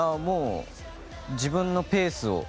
自分のペース